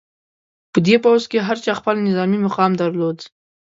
په دې پوځ کې هر چا خپل نظامي مقام درلود.